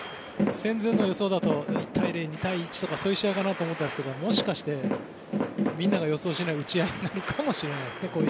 戦前の予想だと１対０、２対１とそういう試合かなと思ったんですがもしかして、みんなが予想しない打ち合いになるかもしれないですね。